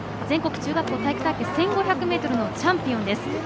全国中学校体育大会１５００ｍのチャンピオンです。